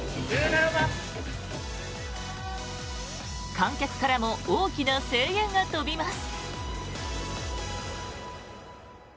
観客からも大きな声援が飛びます。